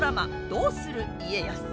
「どうする家康」。